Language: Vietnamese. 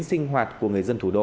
sinh hoạt của người dân thủ đô